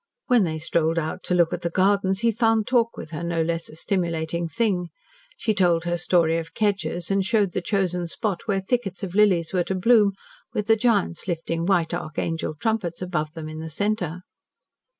When they strolled out to look at the gardens he found talk with her no less a stimulating thing. She told her story of Kedgers, and showed the chosen spot where thickets of lilies were to bloom, with the giants lifting white archangel trumpets above them in the centre.